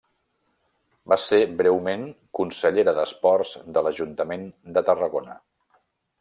Va ser breument consellera d'esports de l'Ajuntament de Tarragona.